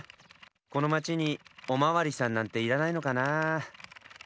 このまちにおまわりさんなんていらないのかなあ？